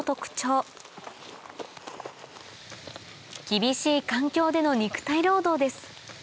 厳しい環境での肉体労働です